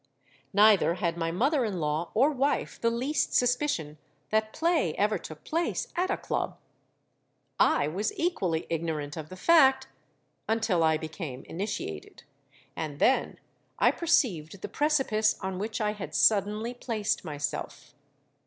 Neither had my mother in law or wife the least suspicion that play ever took place at a Club. I was equally ignorant of the fact until I became initiated; and then I perceived the precipice on which I had suddenly placed myself.